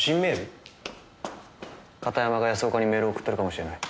片山が安岡にメールを送ってるかもしれない。